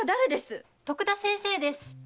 徳田先生です。